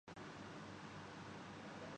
، منفی پہلو کون سے محسوس ہوئے؟